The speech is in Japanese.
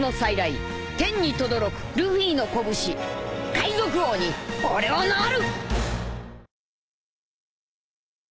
海賊王に俺はなる！